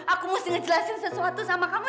aku mesti ngejelasin sesuatu sama kamu